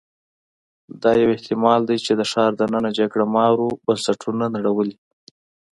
دا یو احتمال دی چې د ښار دننه جګړه مارو بنسټونه نړولي